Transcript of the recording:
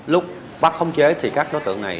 lúc bắt khống chế thì các đối tượng này